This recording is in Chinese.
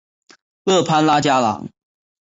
勒潘拉加朗。